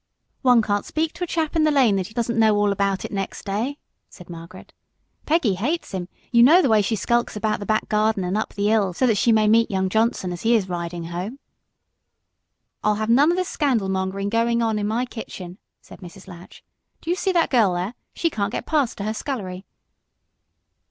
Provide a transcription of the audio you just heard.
"One can't speak to a chap in the lane that he doesn't know all about it next day," said Margaret. "Peggy hates him; you know the way she skulks about the back garden and up the 'ill so that she may meet young Johnson as he is ridin' home." "I'll have none of this scandal mongering going on in my kitchen," said Mrs. Latch. "Do you see that girl there? She can't get past to her scullery."